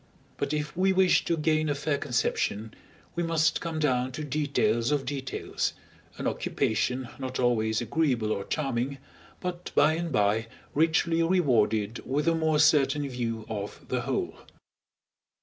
But if we wish to gain a fair conception, we must come down to details of details, an occupation not always agreeable or charming, but by and by richly rewarded with a more certain view of the whole.